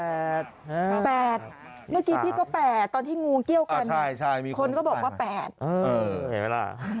เมื่อกี้พี่ก็๘ค่ะแต่ที่งูเกี้ยวกันคนก็บอก๘นะใช่มีคนอะไร